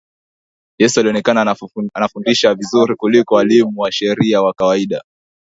Yesu alionekana anafundisha vizuri kuliko walimu wa sheria wa kawaida